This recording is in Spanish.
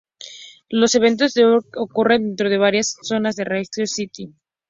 Los eventos de "Outbreak" ocurren dentro de varias zonas de Raccoon City.